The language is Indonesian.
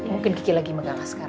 mungkin kiki lagi megang maskara